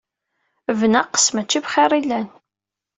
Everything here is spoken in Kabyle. Bnaqes, mačči bxir i llan.